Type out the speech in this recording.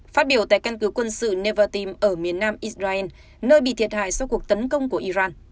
phát biểu tại căn cứ quân sự nevatim ở miền nam israel nơi bị thiệt hại sau cuộc tấn công của iran